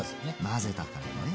混ぜたからね。